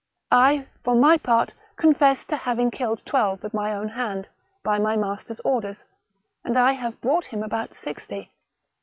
I, for my part, confess to Laving killed twelve with my own hand, by my master's orders, and I have brought him about sixty.